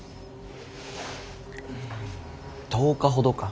１０日ほどか。